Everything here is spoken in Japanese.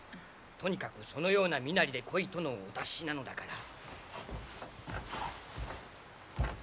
とにかくそのような身なりで来いとのお達しなのだから。